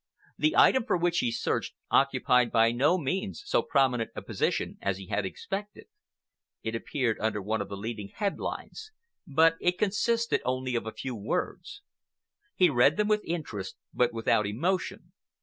The item for which he searched occupied by no means so prominent a position as he had expected. It appeared under one of the leading headlines, but it consisted of only a few words. He read them with interest but without emotion.